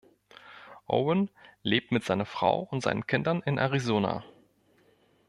Owen lebt mit seiner Frau und seinen Kindern in Arizona.